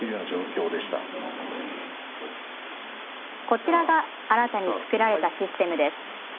こちらが新たに作られたシステムです。